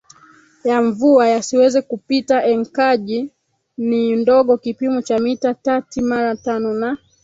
ya mvua yasiweze kupitaEnkaji ni ndogo kipimo cha mita tati mara tano na